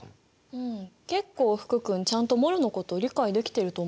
うん結構福君ちゃんとｍｏｌのこと理解できていると思うけど？